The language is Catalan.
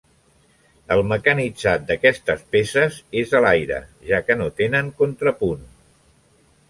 El mecanitzat d’aquestes peces és a l’aire, ja que no tenen contrapunt.